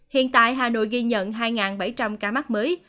hiện tại hà nội ghi nhận hai bảy trăm linh ca mắc mới